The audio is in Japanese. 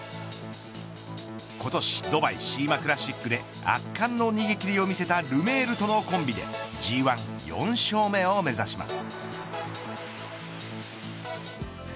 今年、ドバイシーマクラシックで圧巻の逃げ切りを見せたルメールとのコンビでＧ１、４勝目を目指します。